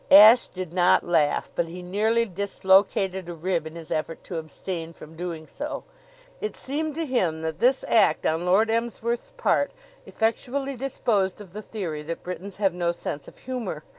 Ashe did not laugh, but he nearly dislocated a rib in his effort to abstain from doing so. It seemed to him that this act on Lord Emsworth's part effectually disposed of the theory that Britons have no sense of humor.